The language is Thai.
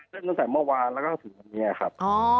เรียกว่าเมื่อวานแล้วถึงวันนี้เลยครับ